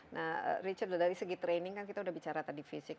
nah richard dari segi training kan kita udah bicara tadi fisik